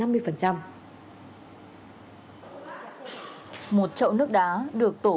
một trộn nước đá được tổng